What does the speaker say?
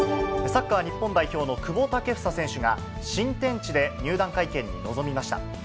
サッカー日本代表の久保建英選手が、新天地で入団会見に臨みました。